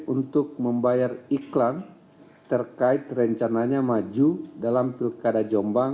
untuk membayar iklan terkait rencananya maju dalam pilkada jombang dua ribu delapan belas